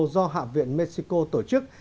do hạ viện mexico tổ chức